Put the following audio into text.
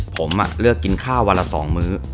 ผมเลือกกินข้าววันละ๒มื้อ